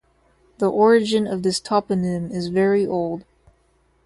The origin of this toponym is very old.